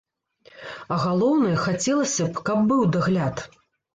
А галоўнае, хацелася б, каб быў дагляд.